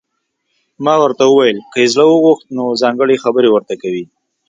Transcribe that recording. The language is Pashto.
ما ورته وویل: که یې زړه وغوښت، نو ځانګړي خبرې ورته کوي.